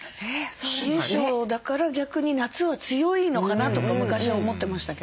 冷え症だから逆に夏は強いのかなとか昔は思ってましたけど。